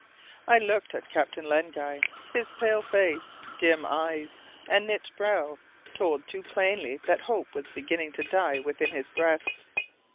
I looked at Captain Len Guy. His pale face, dim eyes, and knit brow told too plainly that hope was beginning to die within his breast.